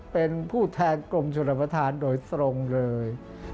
เป็นผู้แทนกรมชนประธานโดยตรงเลย